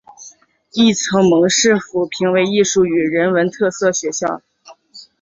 亦曾蒙市府评为艺术与人文特色学校。